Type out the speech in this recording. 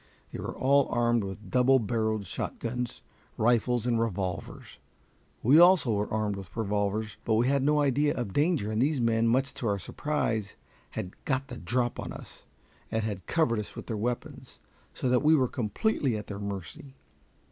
They were all armed with double barreled shotguns, rifles, and revolvers. We also were armed with revolvers, but we had no idea of danger, and these men, much to our surprise, had "got the drop" on us, and had covered us with their weapons, so that we were completely at their mercy.